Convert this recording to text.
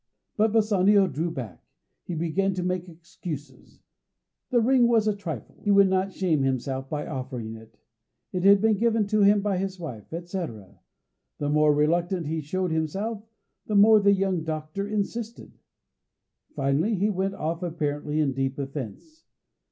] But Bassanio drew back. He began to make excuses; the ring was a trifle, he would not shame himself by offering it; it had been given to him by his wife, etc. The more reluctant he showed himself, the more the young doctor insisted. Finally he went off apparently in deep offence.